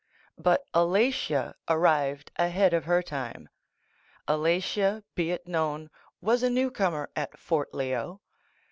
But Alatia arrived ahead of her time. Alatia. be it known, was a newcomer at Fort Leo.